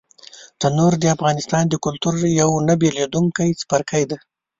تنور د افغان کلتور یو نه بېلېدونکی څپرکی دی